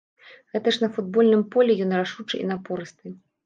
Гэта ж на футбольным полі ён рашучы і напорысты.